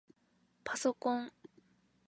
パソコン